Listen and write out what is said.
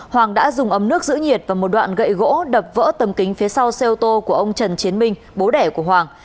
hoàng đã dùng ấm nước giữ nhiệt và một đoạn gậy gỗ đập vỡ tầm kính phía sau xe ô tô của ông trần chiến minh bố đẻ của hoàng